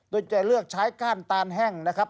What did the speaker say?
โดยจะเลือกใช้ก้านตานแห้งนะครับ